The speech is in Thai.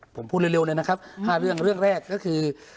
ผมพูดเร็วเลยนะครับ๕เรื่องเรื่องแรกก็คือ